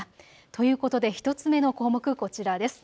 ということで１つ目の項目、こちらです。